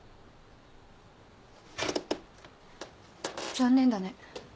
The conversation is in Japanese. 残念だね。